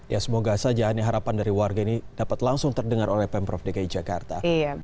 ya semoga saja harapan dari warga ini dapat langsung terdengar oleh pemprov dki jakarta